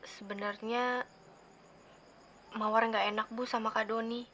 sebenarnya mawar gak enak bu sama kak doni